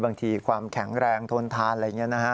บางทีความแข็งแรงทนทานอะไรอย่างนี้นะฮะ